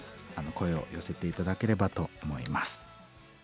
声を寄せて頂ければと思います。